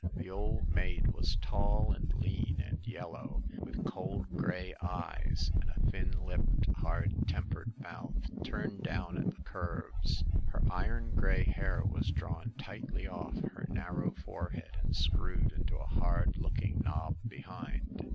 The old maid was tall and lean and yellow, with cold gray eyes, and a thin lipped, hard tempered mouth, turned down at the curves. Her iron gray hair was drawn tightly off her narrow forehead and screwed into a hard looking knob behind.